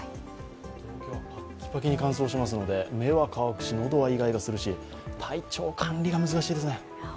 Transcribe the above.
東京はパッキパキに乾燥していますので、目は乾くし喉はイガイガするし体調管理が難しいですね。